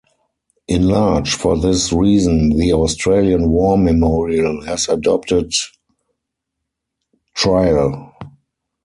In large, for this reason, the Australian War Memorial has adopted "Trail".